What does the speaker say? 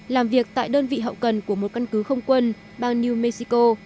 làm việc tại đơn vị hậu cần của một căn cứ không quân bang new mexico